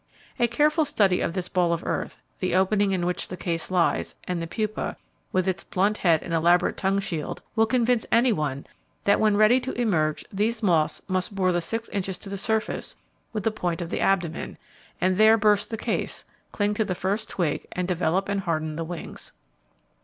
A careful study of this ball of earth, the opening in which the case lies, and the pupa, with its blunt head and elaborate tongue shield, will convince any one that when ready to emerge these moths must bore the six inches to the surface with the point of the abdomen, and there burst the case, cling to the first twig and develop and harden the wings.